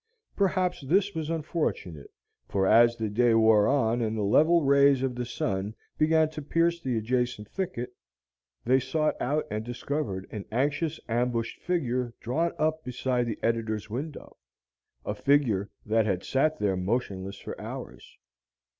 Perhaps this was unfortunate, for as the day wore on and the level rays of the sun began to pierce the adjacent thicket, they sought out and discovered an anxious ambushed figure drawn up beside the editor's window, a figure that had sat there motionless for hours.